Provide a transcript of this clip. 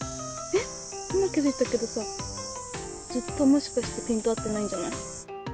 え、今気づいたけどさずっと、もしかしてピント合っていないんじゃない？